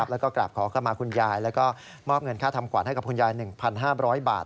แล้วก็กราบขอเข้ามาคุณยายแล้วก็มอบเงินค่าทำขวัญให้กับคุณยาย๑๕๐๐บาท